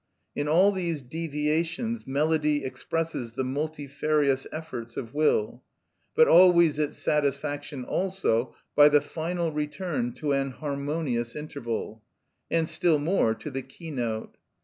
In all these deviations melody expresses the multifarious efforts of will, but always its satisfaction also by the final return to an harmonious interval, and still more, to the key note.